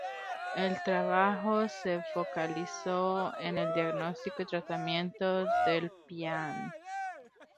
El trabajo se focalizó en el diagnóstico y tratamiento del pian.